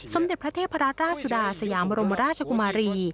สมเด็จพระเทพราชสุดาสยามบรมราชกุมารี